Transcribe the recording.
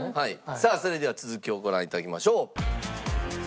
さあそれでは続きをご覧頂きましょう。